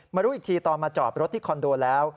รู้อีกทีตอนมาจอดรถที่คอนโดแล้ว